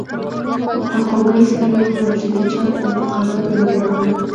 په خواخوږۍ سره یې وویل چې د چا د اعتقاداتو بدلول.